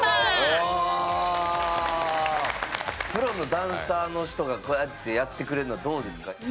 プロのダンサーの人がこうやってやってくれるのどうですか？